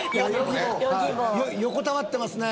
横たわってますね。